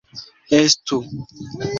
Estu!